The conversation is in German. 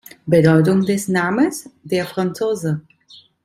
Bedeutung des Namens: der Franzose.